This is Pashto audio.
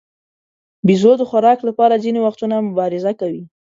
بیزو د خوراک لپاره ځینې وختونه مبارزه کوي.